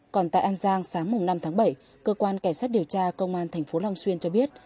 còn tại an giang sáng năm tháng bảy cơ quan kẻ sát điều tra công an thành phố long xuyên cho biết